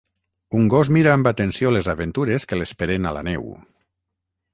Un gos mira amb atenció les aventures que l'esperen a la neu.